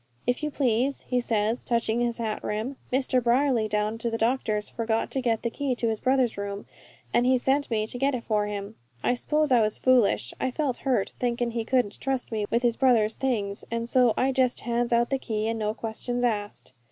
"'If you please,' he says, touching his hat rim, 'Mr. Brierly, down to the doctor's, forgot to get the key to his brother's room, and he sent me to get it for him.' I s'pose I was foolish. I felt hurt, thinkin' he couldn't trust me with his brother's things, an' so I jest hands out the key and no questions asked."